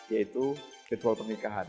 yaitu ritual pernikahan